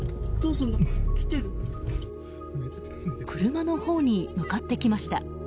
車のほうに向かってきました。